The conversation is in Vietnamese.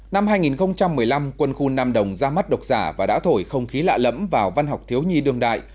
năm hai nghìn một mươi năm quân khu nam đồng ra mắt độc giả và đã thổi không khí lạ lẫm vào văn học thiếu nhi đường đại